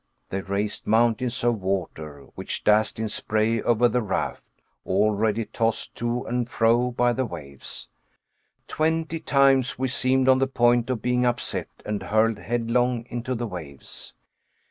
They raised mountains of water, which dashed in spray over the raft, already tossed to and fro by the waves. Twenty times we seemed on the point of being upset and hurled headlong into the waves.